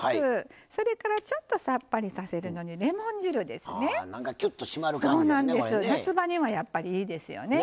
それから、ちょっとさっぱりさせるのにレモン汁ですね。